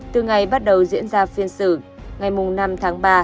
từ ngày bắt đầu diễn ra phiên xử ngày năm tháng ba